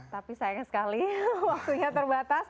tapi sayang sekali waktunya terbatas